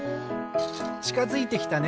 ちかづいてきたね。